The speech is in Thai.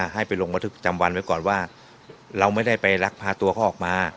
ให้ไปลงบันทึกจำวันไว้ก่อนว่าเราไม่ได้ไปลักพาตัวเขาออกมา